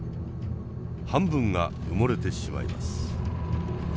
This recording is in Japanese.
半分が埋もれてしまいます。